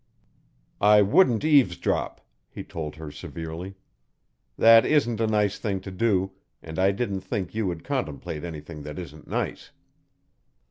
"I wouldn't eavesdrop," he told her severely. "That isn't a nice thing to do, and I didn't think you would contemplate anything that isn't nice."